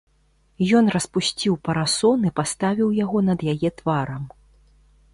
Ён распусціў парасон і паставіў яго над яе тварам.